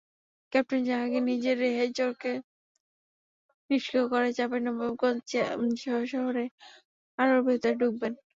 Captain Jahangir নিজে রেহাইচরকে নিষ্ক্রিয় করে চাঁপাইনবাবগঞ্জ শহরের আরও ভেতরে ঢুকবেন।